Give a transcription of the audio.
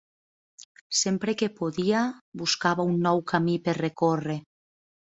Sempre que podia, buscava un nou camí per recórrer.